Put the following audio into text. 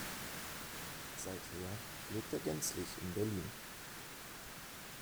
Seither lebt er gänzlich in Berlin.